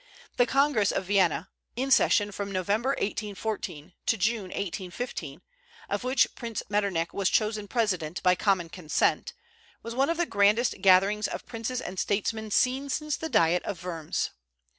The Congress of Vienna, in session from November, 1814, to June, 1815, of which Prince Metternich was chosen president by common consent, was one of the grandest gatherings of princes and statesmen seen since the Diet of Worms.